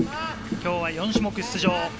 今日は４種目出場。